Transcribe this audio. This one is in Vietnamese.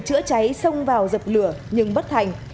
chữa cháy xông vào dập lửa nhưng bất thành